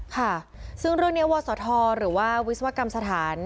ค่ะซึ่งเรื่องนี้วศธหรือว่าวิศวกรรมสถาน